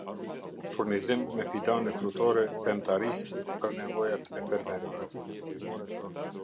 Furnizim me fidane frutore pemtarisë për nevojat e fermerëve